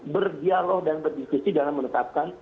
berdialog dan berdiskusi dalam menetapkan